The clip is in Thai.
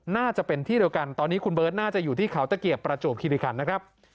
น่าจะเป็นที่เดียวกันตอนนี้คุณเบิร์ตน่าจะอยู่ที่เขาตะเกียบประจวบคิริคันนะครับ